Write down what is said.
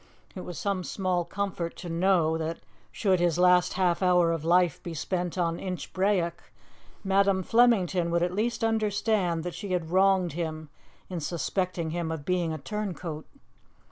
It was some small comfort to know that, should his last half hour of life be spent on Inchbrayock, Madam Flemington would at least understand that she had wronged him in suspecting him of being a turncoat.